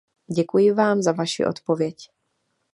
Děkuji vám za vaši odpověď.